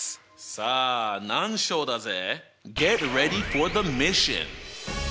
さあ難所だぜ！